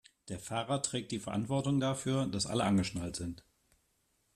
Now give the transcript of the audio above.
Der Fahrer trägt die Verantwortung dafür, dass alle angeschnallt sind.